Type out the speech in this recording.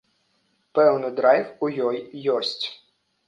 Пэўны драйв у ёй ёсць.